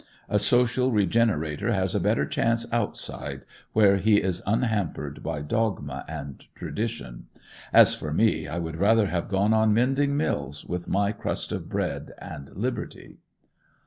A social regenerator has a better chance outside, where he is unhampered by dogma and tradition. As for me, I would rather have gone on mending mills, with my crust of bread and liberty.